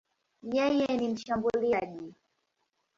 Yeye ni mshambuliaji.